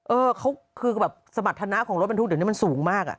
เออเขาคือแบบสมรรถนะของรถบรรทุกเดี๋ยวนี้มันสูงมากอ่ะ